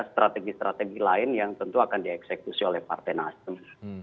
strategi strategi lain yang tentu akan dieksekusi oleh partai nasdem